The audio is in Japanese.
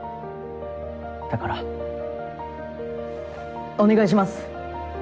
だからお願いします！